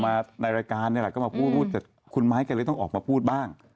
ในรายการนี่แหละก็มาพูดพูดแต่คุณไม้ก็เลยต้องออกมาพูดบ้าง